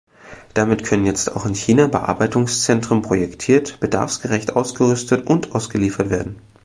Damit können jetzt auch in China Bearbeitungszentren projektiert, bedarfsgerecht ausgerüstet und ausgeliefert werden.